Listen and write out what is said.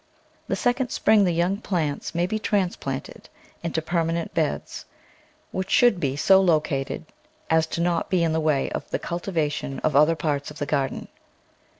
The second spring the young plants may be transplanted into permanent beds, which should be so located as not to be in the way of the cultivation of other parts of the garden.